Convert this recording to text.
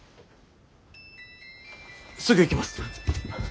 すぐ行きます！